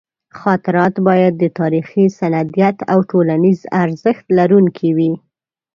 خاطرات باید د تاریخي سندیت او ټولنیز ارزښت لرونکي وي.